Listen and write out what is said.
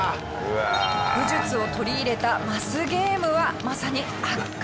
武術を取り入れたマスゲームはまさに圧巻です。